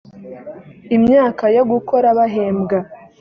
imyaka yo gukora bahembwa